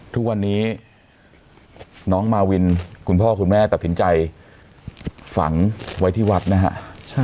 ทุกวันนี้น้องมาวินคุณพ่อคุณแม่ตัดสินใจฝังไว้ที่วัดนะฮะ